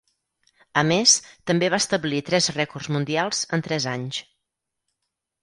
A més, també va establir tres records mundials en tres anys.